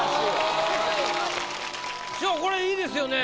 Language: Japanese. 師匠これいいですよね